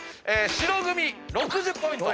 白組６０ポイント。